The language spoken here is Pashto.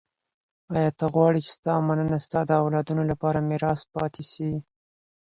ایا ته غواړې چي ستا مننه ستا د اولاد لپاره میراث پاته سي؟